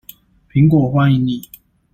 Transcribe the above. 蘋果歡迎你